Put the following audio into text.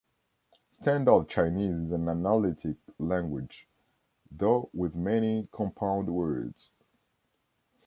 Standard Chinese is an analytic language, though with many compound words.